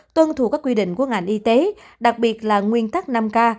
tuân thủ các quy định của ngành y tế đặc biệt là nguyên tắc năm k